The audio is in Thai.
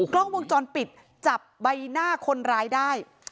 กล้องวงจรปิดจับใบหน้าคนร้ายได้